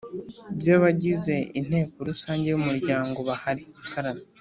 by abagize Inteko Rusange y Umuryango bahari